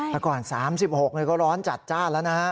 แต่ก่อน๓๖ก็ร้อนจัดจ้านแล้วนะฮะ